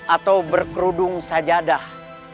atau berkerudung sajadah